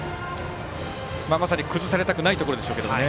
まさに崩されたくないところでしょうけどね。